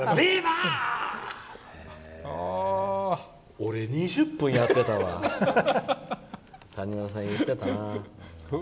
俺、２０分やってたわって谷村さん言ってたな。